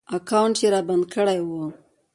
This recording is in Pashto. اکاونټ ېې رابند کړی و